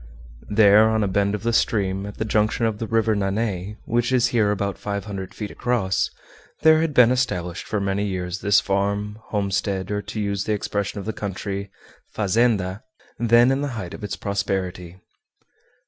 There, on a bend of the stream, at the junction of the River Nanay, which is here about five hundred feet across, there had been established for many years this farm, homestead, or, to use the expression of the country, "fazenda," then in the height of its prosperity.